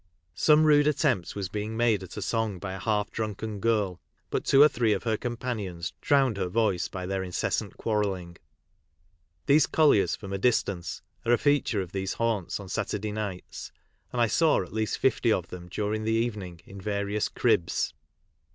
Some rude attempt was being niado at a song by a half drunken girl, but two or three of her companions drowned her voice by their incessant quarrelling. These colliers from a distance are a feature of these haunts on Saturday nights, and I saw at least 50 of them during the evening in various "cribs."